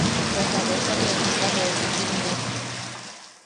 –¿Bwe jabesa ian jita joosisimne?